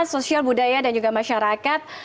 sosial budaya dan juga masyarakat